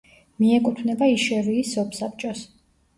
მიეკუთვნება იშეევის სოფსაბჭოს.